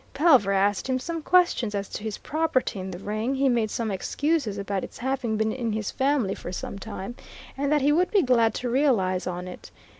Pelver asked him some questions as to his property in the ring he made some excuses about its having been in his family for some time, and that he would be glad to realize on it.